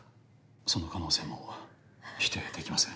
その可能性も否定できません。